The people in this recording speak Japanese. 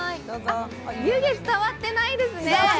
湯気伝わってないですね。